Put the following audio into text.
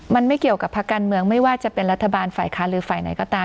มันไม่เกี่ยวกับภาคการเมืองไม่ว่าจะเป็นรัฐบาลฝ่ายค้านหรือฝ่ายไหนก็ตาม